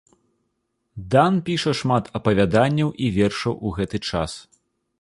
Дан піша шмат апавяданняў і вершаў у гэты час.